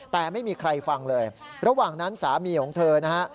แต่ไม่มีใครฟังเลยระหว่างนั้นสามีของเธอนะฮะ